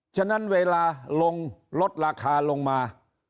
ฉะนั้นเวลาลงลดราคาลงมา